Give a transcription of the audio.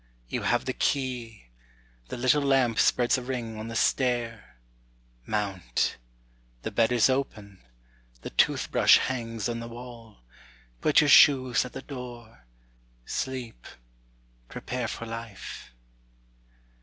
You have the key, The little lamp spreads a ring on the stair, Mount. The bed is open; the tooth brush hangs on the wall Put your shoes at the door, sleep, prepare for life.